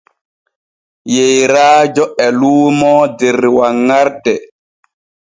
Yeeraajo e luumoo der wanŋarde.